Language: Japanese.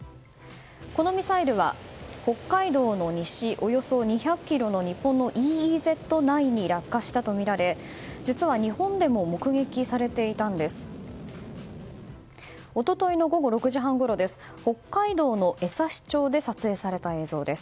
このミサイルは北海道の西、およそ２００ｋｍの日本のＥＥＺ内に落下したとみられ実は日本でも目撃されていたんです。